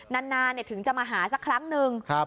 นานถึงจะมาหาสักครั้งหนึ่ง